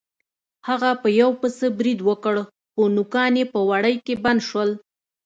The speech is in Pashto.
هغه په یو پسه برید وکړ خو نوکان یې په وړۍ کې بند شول.